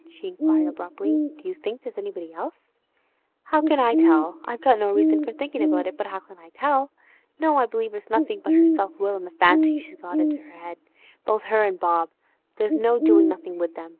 he inquired abruptly. 'Do you think there's any one else?' 'How can I tell? I've got no reason for thinkin' it, but how can I tell? No, I believe it's nothin' but her self will an' the fancies she's got into her 'ead. Both her an' Bob, there's no doin' nothin' with them.